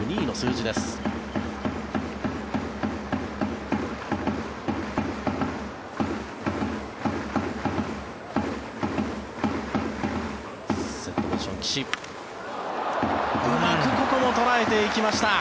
うまくここも捉えていきました。